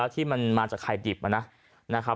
ที่มันมาจากไข่ดิบนะ